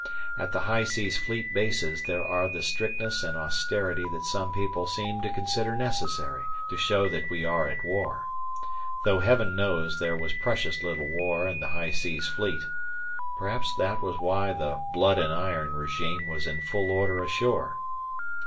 At the High Seas Fleet bases there was the strictness and austerity that some people seem to consider necessary to show that we are at war, though Heaven knows there was precious little war in the High Seas Fleet; perhaps that was why the "blood and iron" régime was in full order ashore.